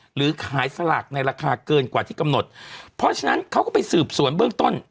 หรือขายสลากในราคาเกินกว่าที่กำหนดเพราะฉะนั้นเขาก็ไปสืบสวนเบื้องต้น